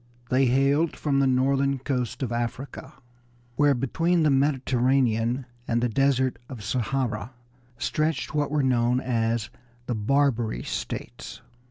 They hailed from the northern coast of Africa, where between the Mediterranean and the desert of Sahara stretched what were known as the Barbary States.